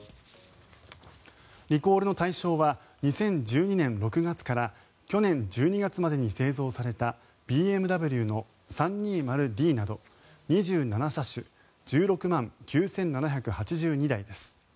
リコールの対象は２０１２年６月から去年１２月までに製造されたＢＭＷの３２０ｄなど２７車種１６万９７８２台です。